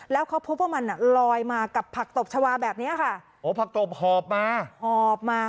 แล้วเขาพบว่ามันอ่ะลอยมากับผักตบชาวาแบบเนี้ยค่ะโอ้ผักตบหอบมาหอบมา